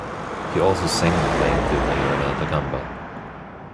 He also sang and played the viola da gamba.